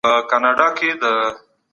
د اتفاق سپارښتنه وکړه